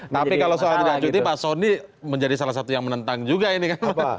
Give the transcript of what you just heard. tapi kalau soal tidak cuti pak soni menjadi salah satu yang menentang juga ini kan